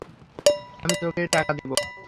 আমি তোকে টাকা দিব।